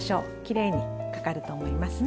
きれいにかかると思います。